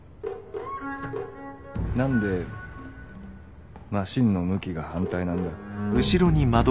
何でマシンの向きが反対なんだ？